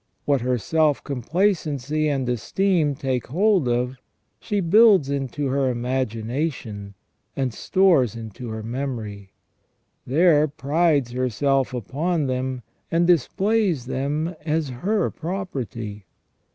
What her self complacency and esteem take hold of she builds into her imagination and stores into her memory ; there prides herself upon them, and displays them as her property.